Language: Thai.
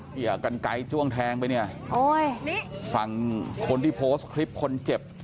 ค่ะอย่ากันไก้จ้วงแทงไปเนี่ยโอ้ยฟังคนที่โพสต์คลิปคนเจ็บ